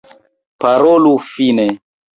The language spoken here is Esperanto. Parolu fine!